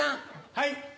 はい。